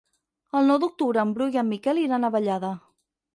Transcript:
El nou d'octubre en Bru i en Miquel iran a Vallada.